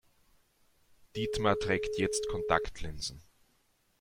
Dietmar trägt jetzt Kontaktlinsen.